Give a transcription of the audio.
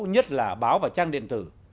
nhất là báo và trang điện tử